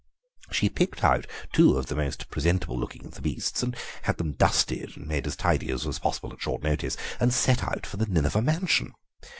She picked out two of the most presentable looking of the beasts and had them dusted and made as tidy as was possible at short notice, and set out for the Nineveh mansion.